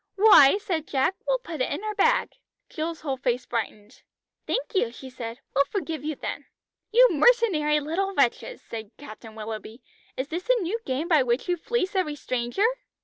"Why," said Jack "we'll put it in our bag." Jill's whole face brightened. "Thank you," she said. "We'll forgive you then." "You mercenary little wretches," said Captain Willoughby. "Is this a new game by which you fleece every stranger?"